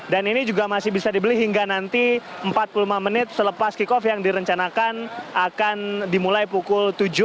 dan ini juga masih bisa dibeli hingga nanti empat puluh lima menit selepas kick off yang direncanakan akan dimulai pukul tujuh